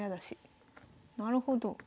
なるほど。